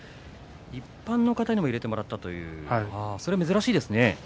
一般の方にも入れてもらったと、それは珍しいですね。